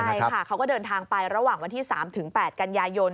ใช่ค่ะเขาก็เดินทางไประหว่างวันที่๓๘กันยายน